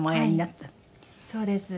そうです。